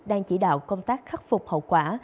đang chỉ đạo công tác khắc phục hậu quả